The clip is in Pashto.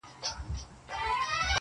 o ستا له خیبر سره ټکراو ستا حماقت ګڼمه,